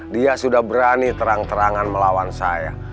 dia sudah berani terang terangan melawan saya